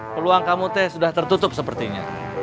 peluang kamu teh sudah tertutup sepertinya